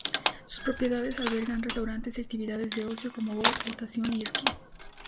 Sus propiedades albergan restaurantes y actividades de ocio como golf, natación y esquí.